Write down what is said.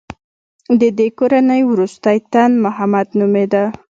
د دې کورنۍ وروستی تن محمد نومېده.